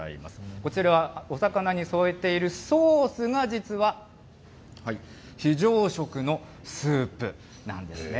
こちらはお魚に添えているソースが、実は非常食のスープなんですね。